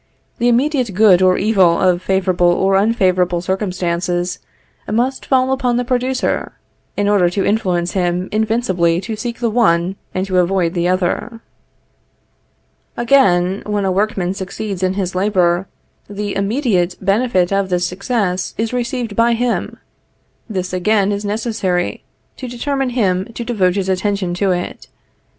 The immediate good or evil of favorable or unfavorable circumstances must fall upon the producer, in order to influence him invincibly to seek the one and to avoid the other. Again, when a workman succeeds in his labor, the immediate benefit of this success is received by him. This again is necessary, to determine him to devote his attention to it.